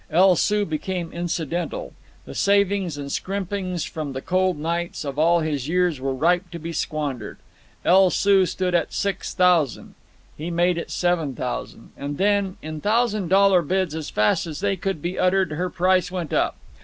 El Soo became incidental. The savings and scrimpings from the cold nights of all his years were ripe to be squandered. El Soo stood at six thousand. He made it seven thousand. And then, in thousand dollar bids, as fast as they could be uttered, her price went up.